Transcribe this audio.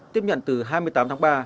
tiếp nhận từ hai mươi tám tháng ba